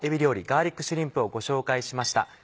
ガーリックシュリンプをご紹介しました。